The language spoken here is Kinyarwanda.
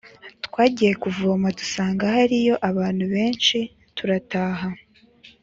Twagiye kuvoma dusanga hariyo abantu benshi turataha